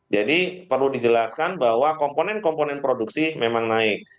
jadi perlu dijelaskan bahwa komponen komponen produksi memang naik